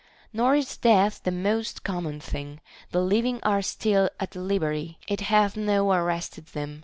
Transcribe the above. Nor is death the most common thing ; the living are still at liberty, it hath not arrested them.